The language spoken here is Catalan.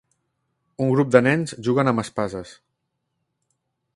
Un grup de nens juguen amb espases.